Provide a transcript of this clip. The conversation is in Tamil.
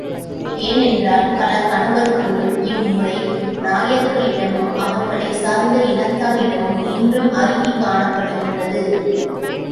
ஏனென்றால் பல கணவர் கொள்ளும் இம்முறை நாயர்களிடமும், அவர்களைச் சார்ந்த இனத்தாரிடமும் இன்றும் அருகிக் காணப்படுகின்றது.